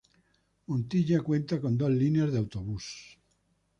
Montilla cuenta con dos líneas de autobús.